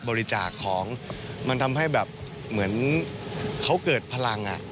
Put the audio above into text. บริจาคของมันทำให้แบบเหมือนเขาเกิดพลัง